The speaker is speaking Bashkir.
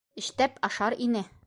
Эштәп ашар ине.